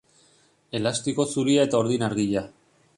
Elastiko zuria eta urdin argia.